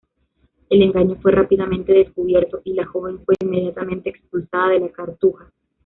El engaño fue rápidamente descubierto y la joven fue inmediatamente expulsada de la cartuja.